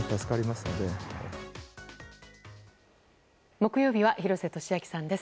木曜日は廣瀬俊朗さんです。